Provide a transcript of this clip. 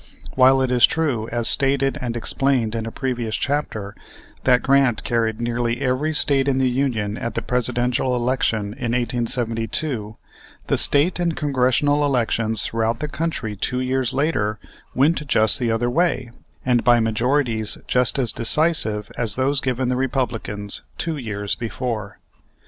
While it is true, as stated and explained in a previous chapter, that Grant carried nearly every state in the Union at the Presidential election in 1872, the State and Congressional elections throughout the country two years later went just the other way, and by majorities just as decisive as those given the Republicans two years before.